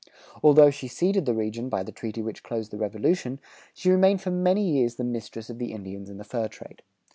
Although she ceded the region by the treaty which closed the Revolution, she remained for many years the mistress of the Indians and the fur trade.